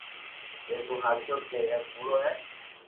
ڪي تو ھاچو ھي يا ڪوڙو ھي